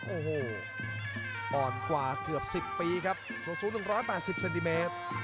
โอ้โหอ่อนกว่าเกือบ๑๐ปีครับสูง๑๘๐เซนติเมตร